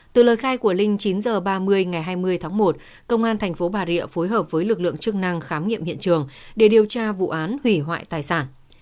từ lời khai của linh chín h ba mươi ngày hai mươi tháng một công an thành phố bà rịa phối hợp với lực lượng chức năng khám nghiệm hiện trường để điều tra vụ án hủy hoại tài sản